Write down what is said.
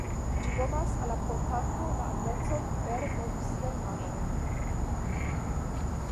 Ĝi donas al la portanto la eblecon libere movi siajn manojn.